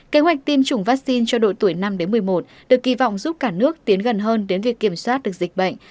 kế hoạch tiêm chủng vaccine cho độ tuổi năm một mươi một được kỳ vọng giúp cả nước tiến gần hơn đến việc kiểm soát được dịch bệnh